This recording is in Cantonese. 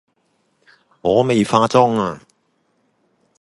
我未化妝呀